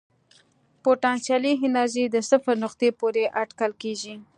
پوتنسیالي انرژي د صفر نقطې پورې اټکل کېږي.